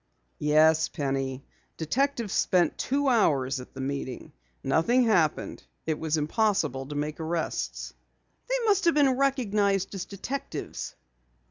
"Yes, Penny. Detectives spent two hours at the meeting. Nothing happened. It was impossible to make arrests." "They must have been recognized as detectives."